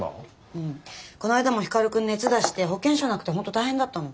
うんこの間も光くん熱出して保険証なくて本当大変だったの。